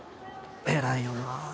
偉いよな。